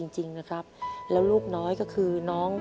จริงนะครับและลูกน้อยก็คือ